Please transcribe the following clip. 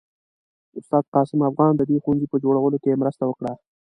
استاد قاسم افغان د دې ښوونځي په جوړولو کې مرسته وکړه.